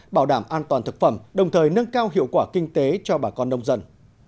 bảo đảm an toàn thực phẩm đồng thời nâng cao hiệu quả kinh tế cho bà con nông dân